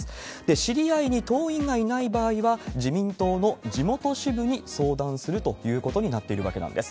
知り合いに党員がいない場合は自民党の地元支部に相談するということになっているわけなんです。